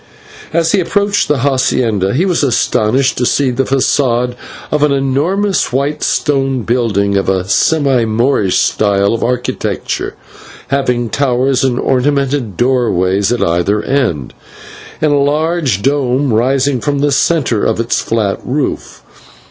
As he approached the /hacienda/, he was astonished to see the /façade/ of an enormous white stone building of a semi Moorish style of architecture, having towers and ornamented doorways at either end, and a large dome rising from the centre of its flat roof.